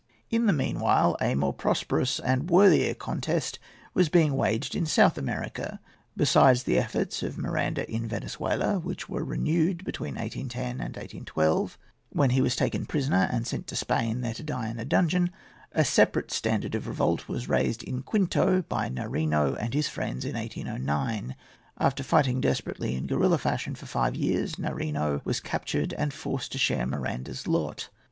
In the meanwhile a more prosperous and worthier contest was being waged in South America. Besides the efforts of Miranda in Venezuela, which were renewed between 1810 and 1812, when he was taken prisoner and sent to Spain, there to die in a dungeon, a separate standard of revolt was raised in Quito by Narinno and his friends in 1809. After fighting desperately, in guerilla fashion, for five years, Narinno was captured and forced to share Miranda's lot.